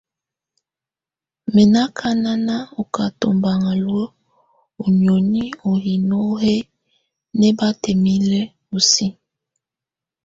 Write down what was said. Mɛ̀ nɔ akana ɔ́ ká tubaŋa luǝ̀ ú nioni ú hino hɛ nɛbataimilǝ sisiǝ.